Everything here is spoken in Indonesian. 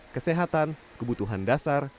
kesehatan kebutuhan dasar